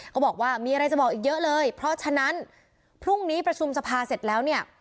เขาบอกว่ามีอะไรจะบอกอีกเยอะเลยเพราะฉะนั้นพรุ่งนี้ประชุมสภาเสร็จแล้วเนี่ย